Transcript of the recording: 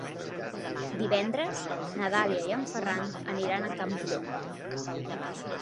Divendres na Dàlia i en Ferran aniran a Campllong.